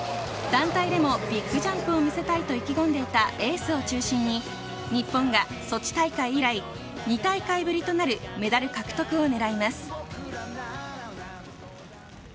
団体でもビッグジャンプを見せたいと意気込んでいたエースを中心に、日本がソチ大会以来、２大会ぶりとなるメダル獲得を狙います。